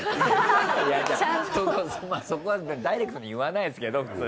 そこはダイレクトに言わないですけど普通。